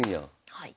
はい。